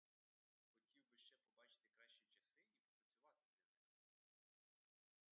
Хотів би ще побачити кращі часи і попрацювати для них.